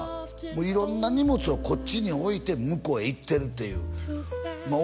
もう色んな荷物をこっちに置いて向こうへ行ってるっていうまあ